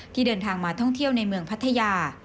เดินทางมาท่องเที่ยวในเมืองพัทยา